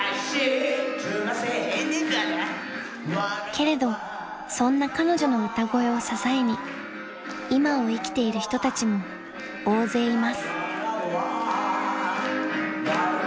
［けれどそんな彼女の歌声を支えに今を生きている人たちも大勢います］